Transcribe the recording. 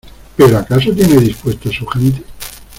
¿ pero acaso tiene dispuesta su gente?